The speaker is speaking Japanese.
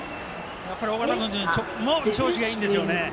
尾形君も調子がいいんですよね。